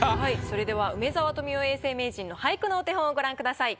それでは梅沢富美男永世名人の俳句のお手本をご覧ください。